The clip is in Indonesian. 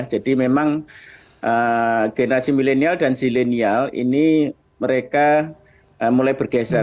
jadi memang generasi milenial dan zilenial ini mereka mulai bergeser